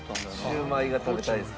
シューマイが食べたいですか？